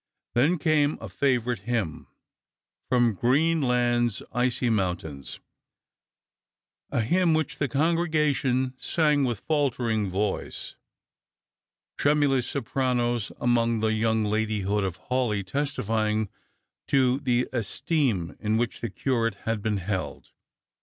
Then came a favourite hymn, " From Greenland's Icy Mountains," a hymn which the congre gation sang with faltering voice; tremulous sopranos among the young ladyhood of Hawleigh testifying to the esteem in which the Curate had been held.